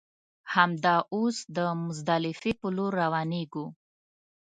همدا اوس د مزدلفې پر لور روانېږو.